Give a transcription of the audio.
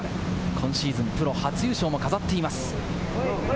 今シーズン、プロ初優勝を飾っています。